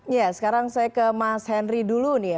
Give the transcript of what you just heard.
ya sekarang saya ke mas henry dulu nih ya